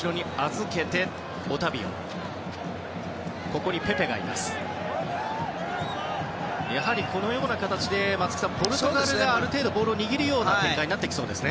このような形でポルトガルがある程度、ボールを握るような展開になってきそうですね。